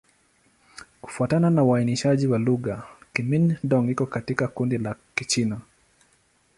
Kufuatana na uainishaji wa lugha, Kimin-Dong iko katika kundi la Kichina.